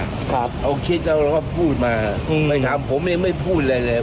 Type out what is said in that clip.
ครับเขาคิดแล้วแล้วก็พูดมาไปถามผมเองไม่พูดอะไรแหละ